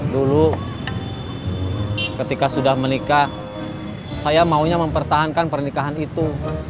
dulu ketika sudah menikah saya maunya mempertahankan pernikahan itu